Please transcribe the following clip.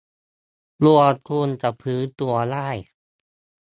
ดวงคุณจะฟื้นตัวได้